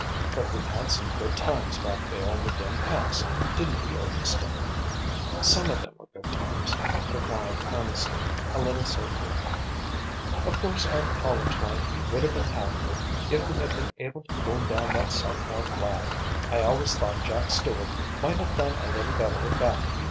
"But we had some good times back there in the dim past, didn't we, Ernestine?" "Some of them were good times," replied Ernestine, a little soberly. "Of course our college life would have been happier if we had been able to pull down that sophomore flag. I've always thought Jack Stewart might have done a little better with that.